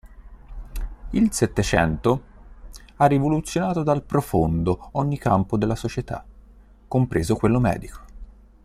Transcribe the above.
Il "Settecento" ha rivoluzionato dal profondo ogni campo della società, compreso quello medico.